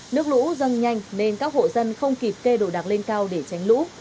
nước lũ dâng nhanh nên các hộ dân không kịp kê đổ đạc lên cao để tránh lũ